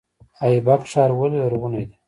ایبک ښار ولې لرغونی دی؟